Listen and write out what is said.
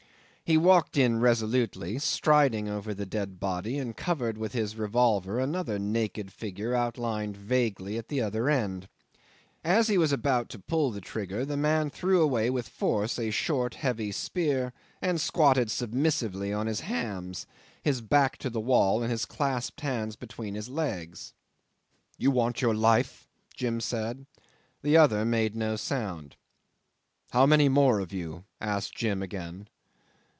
He walked in resolutely, striding over the dead body, and covered with his revolver another naked figure outlined vaguely at the other end. As he was about to pull the trigger, the man threw away with force a short heavy spear, and squatted submissively on his hams, his back to the wall and his clasped hands between his legs. "You want your life?" Jim said. The other made no sound. "How many more of you?" asked Jim again.